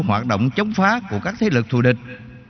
hoạt động chống phá của các thế lực thù địch